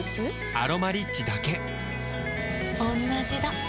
「アロマリッチ」だけおんなじだ